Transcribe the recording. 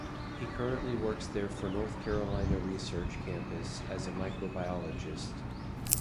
He currently works there for North Carolina Research Campus as a microbiologist.